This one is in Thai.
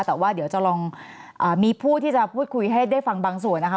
แต่ว่าเดี๋ยวจะลองมีผู้ที่จะพูดคุยให้ได้ฟังบางส่วนนะคะ